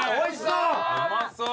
うまそう！